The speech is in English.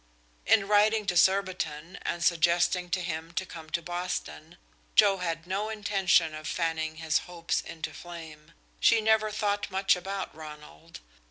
In writing to Surbiton and suggesting to him to come to Boston, Joe had no intention of fanning his hopes into flame. She never thought much about Ronald.